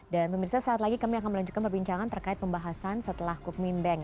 dan pemirsa saat lagi kami akan melanjutkan perbincangan terkait pembahasan setelah cookmin bank